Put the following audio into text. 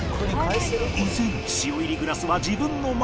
依然塩入りグラスは自分の前